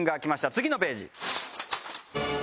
次のページ。